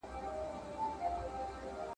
او په دواړو یې له مځکي را ویشتل وه `